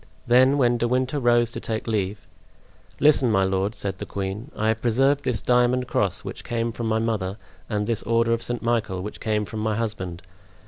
Then, when De Winter rose to take leave: "Listen, my lord," said the queen; "I have preserved this diamond cross which came from my mother, and this order of St. Michael which came from my husband.